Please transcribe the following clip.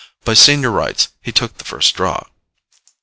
By senior rights, he took first draw.